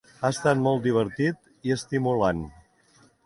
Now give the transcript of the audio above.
Ha estat molt divertit i estimulant.